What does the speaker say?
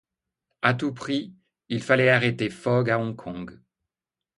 À tout prix, il fallait arrêter Fogg à Hong-Kong.